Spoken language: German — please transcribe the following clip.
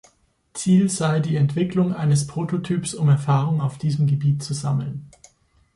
Ziel sei die Entwicklung eines Prototyps, um Erfahrung auf diesem Gebiet zu sammeln.